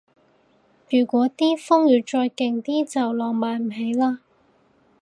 如嗰啲風雨再勁啲就浪漫唔起嘞